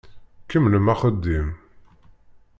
Kemmlem axeddim!